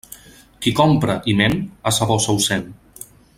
Qui compra i ment, a sa bossa ho sent.